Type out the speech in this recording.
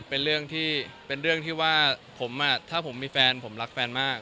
เป็นเรื่องที่ว่าถ้าผมมีแฟนผมรักแฟนมาก